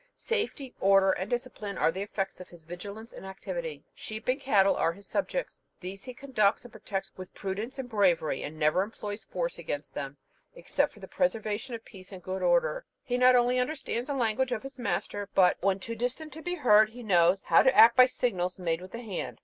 Safety, order, and discipline are the effects of his vigilance and activity. Sheep and cattle are his subjects. These he conducts and protects with prudence and bravery, and never employs force against them, except for the preservation of peace and good order. He not only understands the language of his master, but, when too distant to be heard, he knows how to act by signals made with the hand."